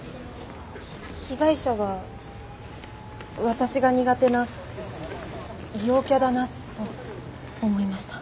ひ被害者は私が苦手な陽キャだなと思いました。